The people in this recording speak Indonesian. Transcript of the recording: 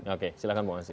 oke silahkan pak masih